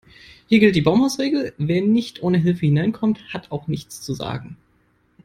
Hier gilt die Baumhausregel: Wer nicht ohne Hilfe hineinkommt, hat auch nichts zu sagen.